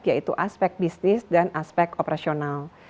yaitu aspek bisnis dan aspek operasional